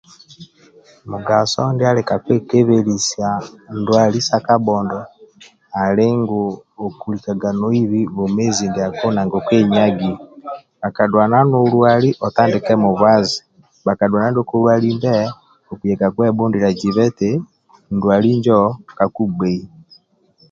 Mugaso ndia ka kwebelisa ndwali sa kabhondo ali ngu olikaga noibi bwomezi ndiako nesi aenagio bhaka dulana otandike mubazi bhaja dula ndio kolwali okuyaga kwebhundilia zibe eti ndwali injo kalugbei